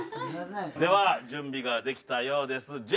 では準備ができたようです。